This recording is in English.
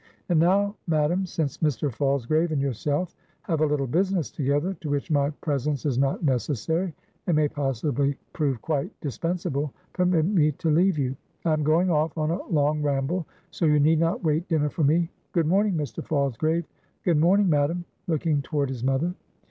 And now, Madam, since Mr. Falsgrave and yourself have a little business together, to which my presence is not necessary, and may possibly prove quite dispensable, permit me to leave you. I am going off on a long ramble, so you need not wait dinner for me. Good morning, Mr. Falsgrave; good morning, Madam," looking toward his mother.